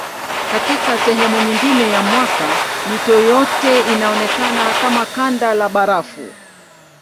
Katika sehemu nyingine ya mwaka mito yote inaonekana kama kanda la barafu.